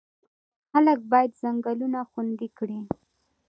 خلک باید ځنګلونه خوندي کړي.